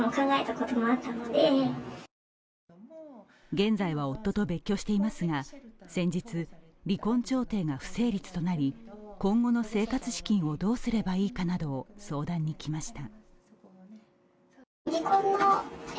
現在は夫と別居していますが、先日、離婚調停が不成立となり、今後の生活資金をどうすればいいかなどを相談に来ました。